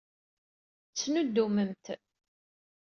Ttnuddument.